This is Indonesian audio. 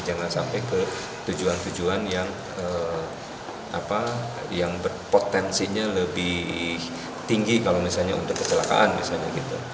jangan sampai ke tujuan tujuan yang berpotensinya lebih tinggi kalau misalnya untuk kecelakaan misalnya gitu